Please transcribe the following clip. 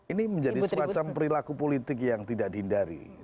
ini menjadi semacam perilaku politik yang tidak dihindari